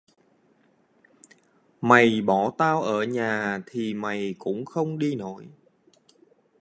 Mày bỏ tao ở nhà thì mày cũng không đi nổi